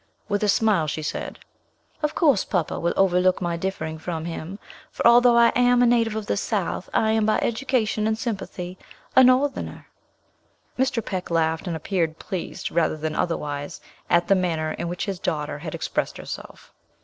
With a smile she said, "Of course, papa will overlook my differing from him, for although I am a native of the South, I am by education and sympathy, a Northerner." Mr. Peck laughed and appeared pleased, rather than otherwise, at the manner in which his daughter had expressed herself.